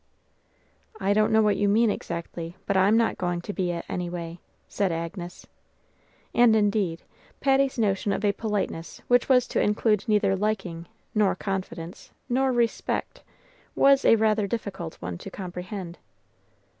"I don't know what you mean exactly, but I'm not going to be it, anyway," said Agnes. And, indeed, Patty's notion of a politeness which was to include neither liking nor confidence nor respect was rather a difficult one to comprehend.